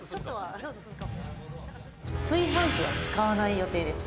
「炊飯器は使わない予定です」